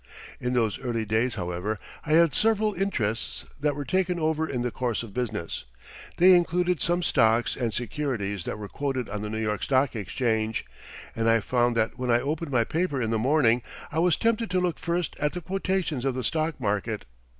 In those early days, however, I had several interests that were taken over in the course of business. They included some stocks and securities that were quoted on the New York Stock Exchange, and I found that when I opened my paper in the morning I was tempted to look first at the quotations of the stock market.